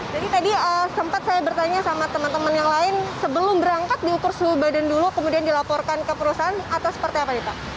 jadi tadi sempat saya bertanya sama teman teman yang lain sebelum berangkat diukur suhu badan dulu kemudian dilaporkan ke perusahaan atau seperti apa nih pak